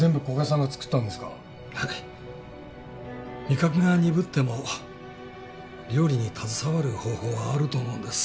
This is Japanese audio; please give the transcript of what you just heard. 味覚が鈍っても料理に携わる方法はあると思うんです。